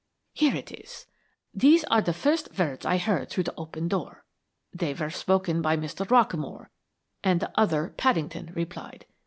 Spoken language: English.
"Here it is. These are the first words I heard through the opened door. They were spoken by Mr. Rockamore, and the other, Paddington, replied.